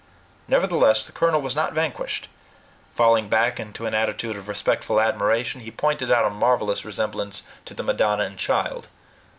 Nevertheless, the colonel was not vanquished. Falling back into an attitude of respectful admiration, he pointed out a marvelous resemblance to the "Madonna and Child."